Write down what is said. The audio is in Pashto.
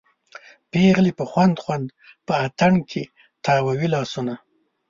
پیغلې په خوند خوند په اتڼ کې تاووي لاسونه